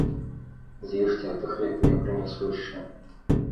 З'ешце гэты хлеб, і я прынясу яшчэ.